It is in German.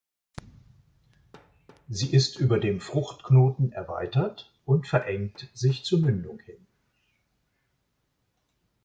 Sie ist über dem Fruchtknoten erweitert und verengt sich zur Mündung hin.